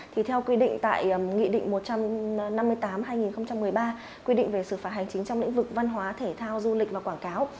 thì theo quy định tại nghị định một trăm năm mươi tám hai nghìn một mươi ba quy định về xử phạt hành chính trong lĩnh vực văn hóa thể thao du lịch và quảng cáo